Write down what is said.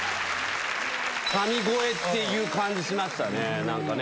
神声っていう感じしましたね、なんかね。